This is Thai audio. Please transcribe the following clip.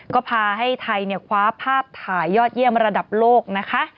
ก็พาให้ไทยคว้าภาพถ่ายยอดเยี่ยมระดับโลกนะคะ